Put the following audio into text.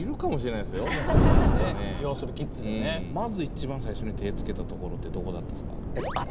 まず一番最初に手つけたところってどこだったんですか？